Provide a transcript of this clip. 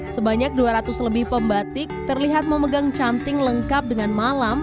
sebanyak dua ratus lebih pembatik terlihat memegang canting lengkap dengan malam